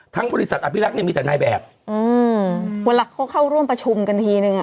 บริษัทอภิรักษ์เนี่ยมีแต่นายแบบอืมเวลาเขาเข้าร่วมประชุมกันทีนึงอ่ะ